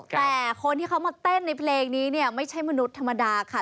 แต่คนที่เขามาเต้นในเพลงนี้เนี่ยไม่ใช่มนุษย์ธรรมดาค่ะ